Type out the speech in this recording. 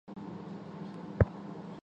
中华音乐人交流协会